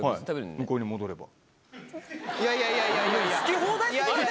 向こうに戻れば。